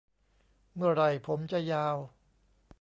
เมื่อไหร่ผมจะยาว